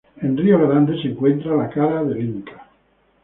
En Río Grande se encuentra la cara del Inca.